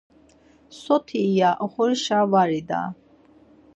Soti iya oxorişa var ida.